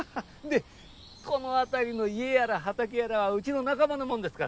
でこの辺りの家やら畑やらはうちの仲間のもんですから。